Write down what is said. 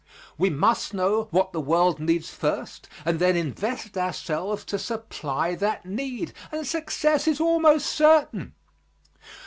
We must know what the world needs first and then invest ourselves to supply that need, and success is almost certain.